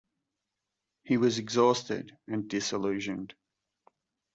He was exhausted and disillusioned.